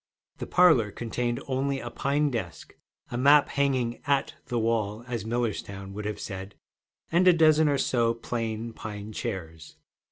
The parlor contained only a pine desk, a map, hanging 'at' the wall, as Millerstown would have said, and a dozen or so plain pine chairs.